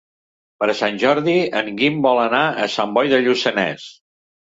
Per Sant Jordi en Guim vol anar a Sant Boi de Lluçanès.